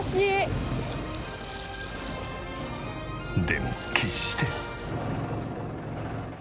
でも決して。